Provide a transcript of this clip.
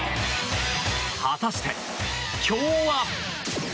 果たして、今日は。